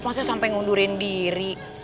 maksudnya sampe ngundurin diri